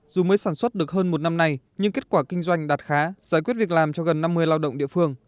dù mới sản xuất được hơn một năm nay nhưng kết quả kinh doanh đạt khá giải quyết việc làm cho gần năm mươi lao động địa phương